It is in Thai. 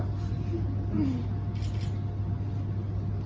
อืม